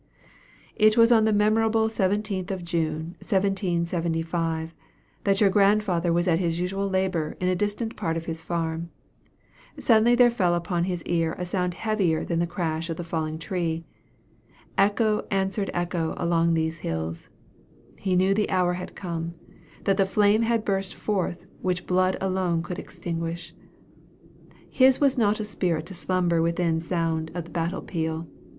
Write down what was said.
"It was on the memorable 17th of June, 1775, that your grandfather was at his usual labor in a distant part of his farm: suddenly there fell upon his ear a sound heavier than the crash of the falling tree: echo answered echo along these hills; he knew the hour had come that the flame had burst forth which blood alone could extinguish. His was not a spirit to slumber within sound of that battle peal.